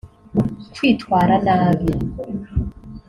kwitwara nabi